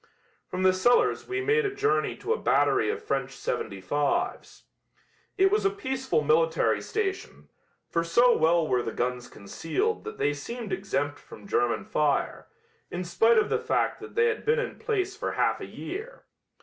From the cellars we made a journey to a battery of French .75's. It was a peaceful military station, for so well were the guns concealed that they seemed exempt from German fire, in spite of the fact that they had been in place for half a year.